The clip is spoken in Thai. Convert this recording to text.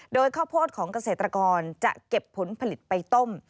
โดยข้าวโพดของเกษตรกรจะเก็บผลผลิตไปต้ม